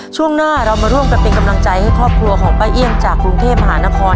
ช่วงหน้าเรามาร่วมกันเป็นกำลังใจให้ครอบครัวของป้าเอี่ยงจากกรุงเทพมหานคร